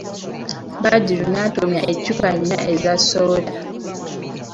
Badru n'atumya eccupa nnya eza sooda.